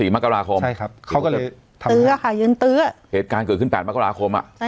๒๔มกราคมตื้อค่ะยืนตื้อใช่ครับเหตุการณ์เกิดขึ้น๘มกราคมอ่ะ